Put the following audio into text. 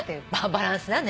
バランスだね。